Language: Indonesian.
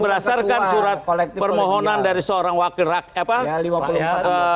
berdasarkan surat permohonan dari seorang wakil rakyat